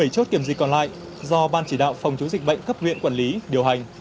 bảy chốt kiểm dịch còn lại do ban chỉ đạo phòng chống dịch bệnh cấp huyện quản lý điều hành